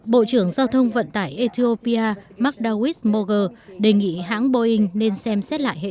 bộ trưởng giao thông vận tải ethiopia magdawis moger đề nghị hãng boeing nên xem xét lại hệ